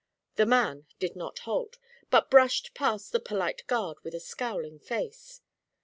The man did not halt, but brushed past the polite guard with a scowling face.